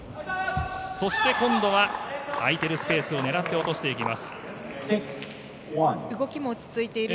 そして、今度は空いてるスペースを狙って落としていきます。